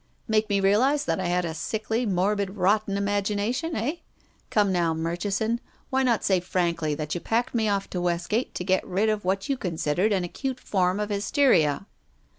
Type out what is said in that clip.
" Make mc realise that I had a sickly, morbid, rotten imagination — heh? Come now, Murchi son, why not say frankly that you packed me off to Westgatc to get rid of what you considered an acute form of hysteria?